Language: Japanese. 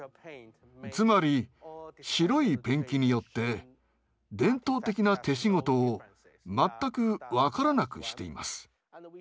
つまり白いペンキによって伝統的な手仕事を全く分からなくしています。